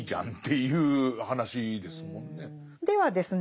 ではですね